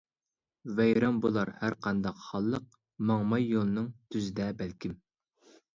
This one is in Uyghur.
ۋەيران بۇلار ھەرقانداق خانلىق، ماڭماي يولنىڭ تۈزىدە بەلكىم.